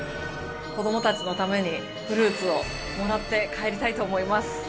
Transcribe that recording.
子どもたちのために、フルーツをもらって帰りたいと思います。